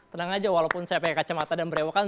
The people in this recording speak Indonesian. tenang aja walaupun saya pakai kacamata dan berewokan